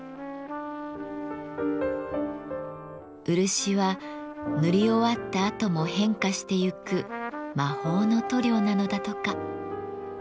漆は塗り終わったあとも変化してゆく魔法の塗料なのだとか。